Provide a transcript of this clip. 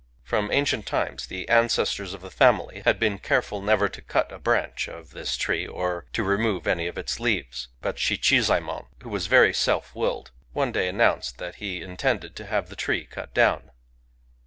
From ancient timet the anceitort of the family had been careful nerer to cat a branch of thit tree or to remove any of itt leavet. But Shichisaemon, who waa very telf wiQed, one day announced that he intended to have the tree cut down.